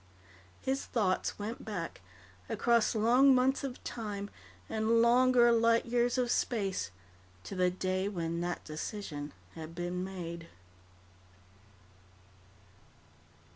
His thoughts went back, across long months of time and longer light years of space, to the day when that decision had been made.